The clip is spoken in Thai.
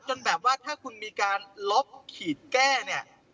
แบบว่าถ้าคุณมีการลบขีดแก้เนี่ย